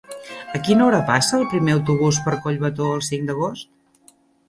A quina hora passa el primer autobús per Collbató el cinc d'agost?